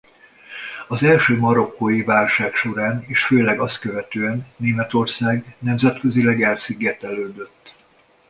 Az első marokkói válság során és főleg azt követően Németország nemzetközileg elszigetelődött.